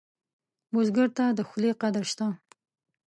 بزګر ته د خولې قدر شته